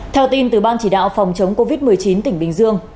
theo tin từ ban chỉ đạo phòng chống covid một mươi chín tỉnh bình dương